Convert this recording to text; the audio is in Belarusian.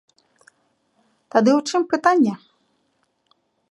Тады ў чым пытанне?